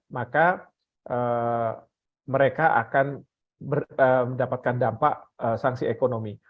maka mereka akan mendapatkan dampak sanksi ekonomi